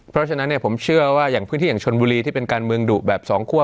เพราะฉะนั้นผมเชื่อว่าอย่างพื้นที่อย่างชนบุรีที่เป็นการเมืองดุแบบสองคั่ว